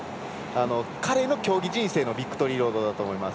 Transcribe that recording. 彼の競技人生のビクトリーロードだと思います。